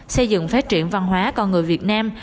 xây dựng phát triển văn hóa con người việt nam